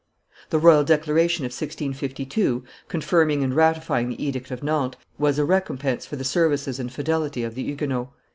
The royal declaration of 1652, confirming and ratifying the edict of Nantes, was a recompense for the services and fidelity of the Huguenots.